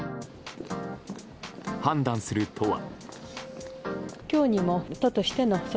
判断する都は。